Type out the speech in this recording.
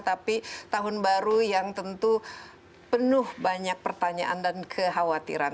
tapi tahun baru yang tentu penuh banyak pertanyaan dan kekhawatiran